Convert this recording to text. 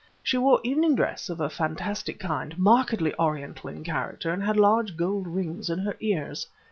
"She wore evening dress, of a fantastic kind, markedly Oriental in character, and had large gold rings in her ears.